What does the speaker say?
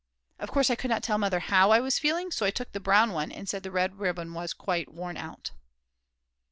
Of course I could not tell Mother how I was feeling, so I took the brown one and said the red ribbon was quite worn out.